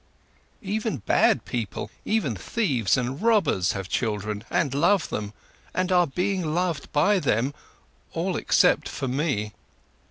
Even bad people, even thieves and robbers have children and love them, and are being loved by them, all except for me."